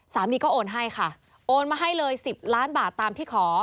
สามีก็โอนให้ค่ะโอนมาให้เลย๑๐ล้านบาทตามที่ขอ